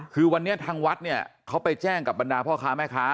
คือวันนี้ทางวัดเนี่ยเขาไปแจ้งกับบรรดาพ่อค้าแม่ค้า